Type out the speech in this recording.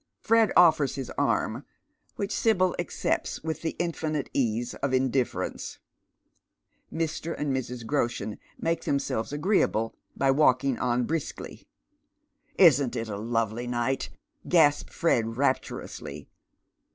Fred oilers hi& arm, which Sibyl accepts with the infinite ease of indiiferencoa Mr. and Mrs. Groshen make themselves agreeable by walking on briskly. "Isn't it a lovely night?" gasps Fred, rapturously.